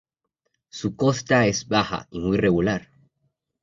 Su costa es baja y muy regular.